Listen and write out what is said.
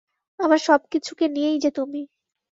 আমার সব কিছুকে নিয়েই যে তুমি।